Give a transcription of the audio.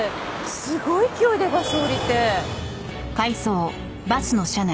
すごい勢いでバスを降りて。